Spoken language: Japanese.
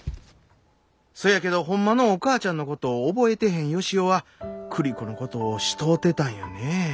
そやけどほんまのお母ちゃんのことを覚えてへんヨシヲは栗子のことを慕うてたんやねえ。